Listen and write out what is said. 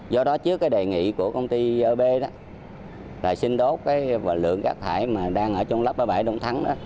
do đó trước đề nghị của công ty ob là xin đốt lượng rác thải đang trôn lấp ở bãi rác đông thắng